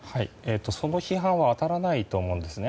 その批判は当たらないと思うんですね。